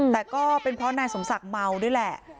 แต่ก็เป็นเพราะนายสมศักดิ์เมาด้วยแหละ